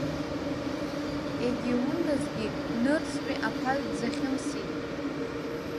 Егьа иундазгьы нырцәтәи аԥаҩ дзахьымсит.